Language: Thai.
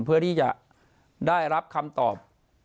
เพื่อที่จะได้รับคำตอบ